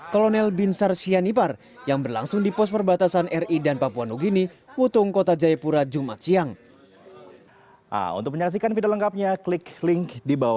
kolonel binsar sianipar yang berlangsung di pos perbatasan ri dan papua nugini wutung kota jayapura jumat siang